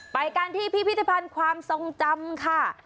ไปกันที่พิพิธภัณฑ์ความทรงจำค่ะ